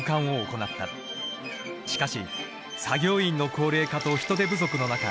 しかし作業員の高齢化と人手不足の中